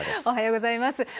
おはようございます。